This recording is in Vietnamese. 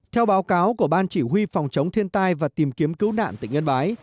theo báo cáo của ban chỉ huy phòng chống thiên tai và tìm kiếm cứu nạn tỉnh yên bái